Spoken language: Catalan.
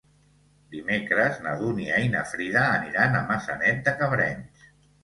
Dimecres na Dúnia i na Frida aniran a Maçanet de Cabrenys.